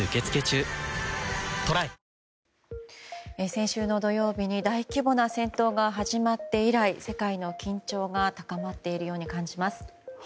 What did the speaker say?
先週の土曜日に大規模な戦闘が始まって以来、世界の緊張が高まっているように感じます。